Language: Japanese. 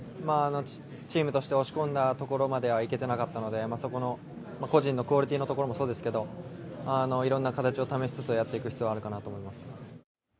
チームとして押し込んだところまではいけてなかったので個人のクオリティーのところもそうですけどいろんな形を試しつつやっていく必要があるかと思います。